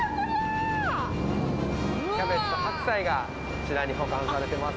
キャベツと白菜がこちらに保管されてます。